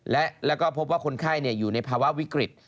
แล้วก็พบว่าคนไข้อยู่ในภาวะวิกฤต